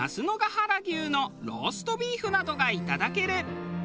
原牛のローストビーフなどがいただける。